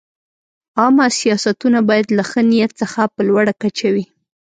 عامه سیاستونه باید له ښه نیت څخه په لوړه کچه وي.